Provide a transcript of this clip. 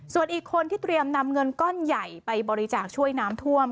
ส่วนอีกคนที่เตรียมนำเงินก้อนใหญ่ไปบริจาคช่วยน้ำท่วม